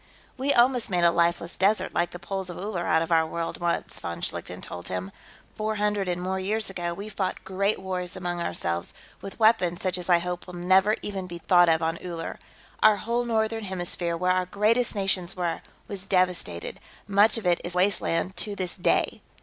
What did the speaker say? "We almost made a lifeless desert, like the poles of Uller, out of our world, once," von Schlichten told him. "Four hundred and more years ago, we fought great wars among ourselves, with weapons such as I hope will never even be thought of on Uller. Our whole Northern Hemisphere, where our greatest nations were, was devastated; much of it is wasteland to this day.